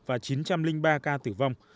và chín trăm linh ba ca tử vong